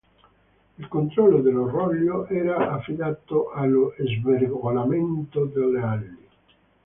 Il controllo del rollio era affidato allo svergolamento delle ali.